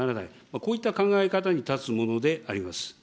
こういった考え方に立つものであります。